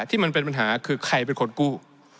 ที่มันเป็นปัญหาคือใครเป็นคนกู้